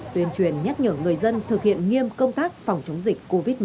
tuyên truyền nhắc nhở người dân thực hiện nghiêm công tác phòng chống dịch covid một mươi chín